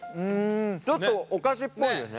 ちょっとお菓子っぽいよね。